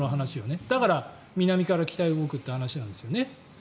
だから南から北へ動くという話なんですよね。